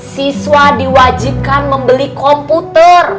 siswa diwajibkan membeli komputer